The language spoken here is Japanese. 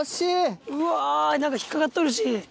うわ何か引っかかっとるし。